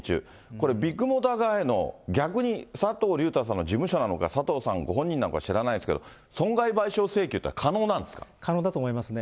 これ、ビッグモーター側への逆に佐藤隆太さんの事務所なのか佐藤さんご本人なのか知らないですけど、損害賠償請求っていうのは可能なん可能だと思いますね。